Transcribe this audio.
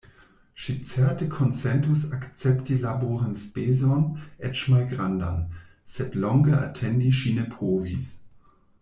Ŝi certe konsentus akcepti laborenspezon eĉ malgrandan, sed longe atendi ŝi ne povis.